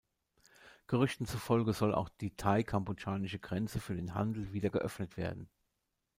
Gerüchten zufolge soll auch die thai-kambodschanische Grenze für den Handel wieder geöffnet werden.